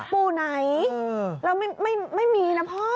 ปู่ไหนแล้วไม่มีนะพ่อ